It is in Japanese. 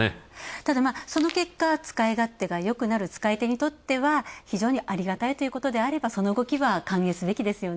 ただ、その結果、使い勝手がよくなる使い手にとっては非常にありがたいということであればその動きは歓迎すべきですよね。